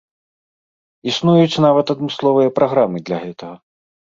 Існуюць нават адмысловыя праграмы для гэтага.